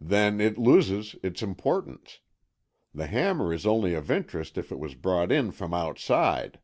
"Then it loses its importance. The hammer is only of interest if it was brought in from outside."